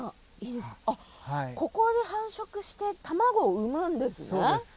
ここで繁殖して卵を産むんですね。